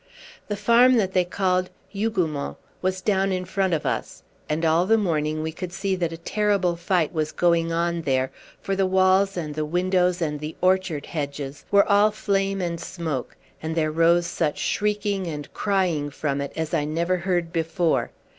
The farm that they called Hougoumont was down in front of us, and all the morning we could see that a terrible fight was going on there, for the walls and the windows and the orchard hedges were all flame and smoke, and there rose such shrieking and crying from it as I never heard before.